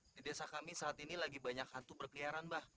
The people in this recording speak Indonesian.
di desa kami saat ini lagi banyak hantu berkeliaran mbak